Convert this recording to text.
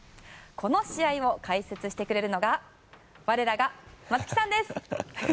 この試合を解説してくれるのが我らが松木さんです！